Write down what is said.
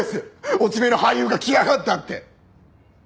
落ち目の俳優が来やがったって。